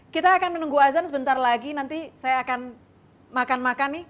kita akan menunggu azan sebentar lagi nanti saya akan makan makan nih